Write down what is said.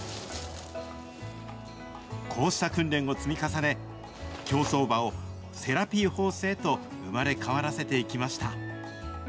こうした訓練を積み重ね、競走馬をセラピーホースへと生まれ変わらせていきました。